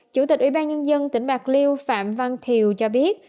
chủ tịch ủy ban nhân dân tỉnh bạc liêu phạm văn thiều cho biết